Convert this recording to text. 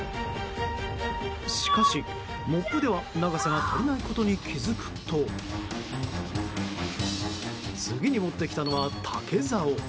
しかし、モップでは長さが足りないことに気付くと次に持ってきたのは竹ざお。